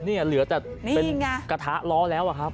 นี่เหลือแต่เป็นกระทะล้อแล้วอะครับ